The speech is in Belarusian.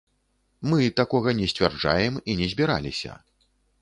Мы такога не сцвярджаем і не збіраліся.